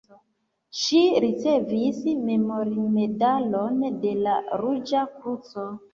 Ŝi ricevis memormedalon de la Ruĝa Kruco.